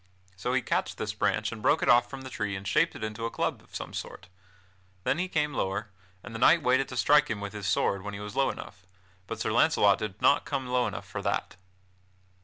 So he catched this branch and broke it off from the tree and shaped it to a club of some sort. Then he came lower, and the knight waited to strike him with his sword, when he was low enough; but Sir Launcelot did not come low enough for that.